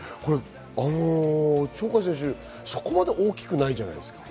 そこまで大きくないじゃないですか。